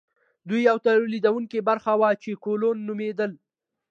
دوی یوه تولیدونکې برخه وه چې کولون نومیدل.